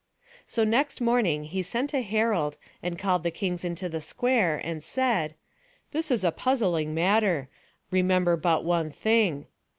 So next morning he sent a herald, and called the kings into the square, and said: "This is a puzzling matter; remember but one thing.